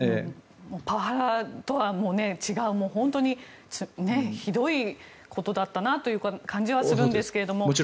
パワハラとは違う本当にひどいことだったなという感じはするんですけども。